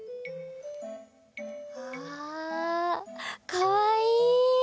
あかわいい！